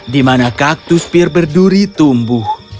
di mana kaktus pir berduri tumbuh